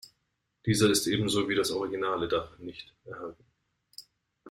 Dieser ist ebenso wie das originale Dach nicht erhalten.